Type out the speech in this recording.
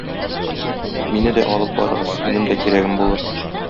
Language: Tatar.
Мине дә алып барыгыз, минем дә кирәгем булыр.